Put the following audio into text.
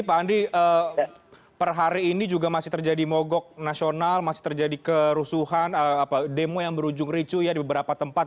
pak andi per hari ini juga masih terjadi mogok nasional masih terjadi kerusuhan demo yang berujung ricu ya di beberapa tempat